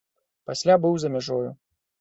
Пасля быў за мяжою.